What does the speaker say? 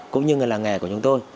cũng như người làm nghề của chúng tôi